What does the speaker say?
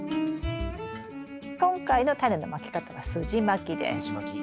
今回のタネのまき方はすじまきです。